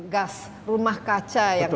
gas rumah kaca yang